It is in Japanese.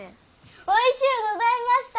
おいしゅうございました。